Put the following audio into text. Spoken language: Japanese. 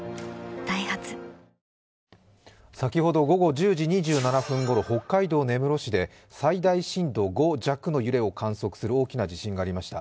ダイハツ先ほど午後１０時２７分ごろ北海道根室市で最大震度５弱の揺れを観測する大きな地震がありました。